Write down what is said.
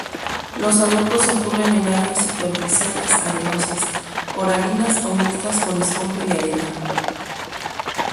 Los adultos ocurren en áreas superficiales arenosas, coralinas o mixtas con escombro y arena.